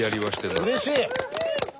うれしい。